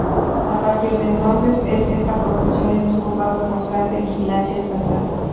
A partir de entonces es que esta profesión estuvo bajo constante vigilancia estatal.